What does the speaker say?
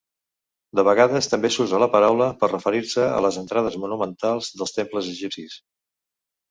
De vegades també s'usa la paraula per referir-se a les entrades monumentals dels temples egipcis.